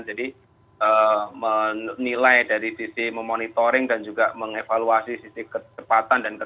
jadi menilai dari sisi memonitoring dan juga mengevaluasi sisi keturunannya